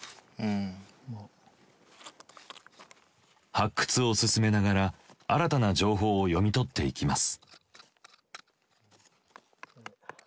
発掘を進めながら新たな情報を読み取っていきます。